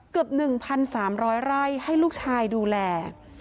เกือบ๑๓๐๐ไร่ให้ลูกชายดูแล